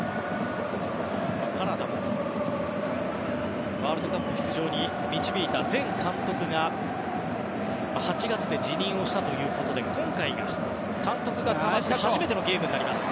カナダもワールドカップ出場に導いた前監督が８月で辞任をしたということで今回が、監督が代わった初めてのゲーム。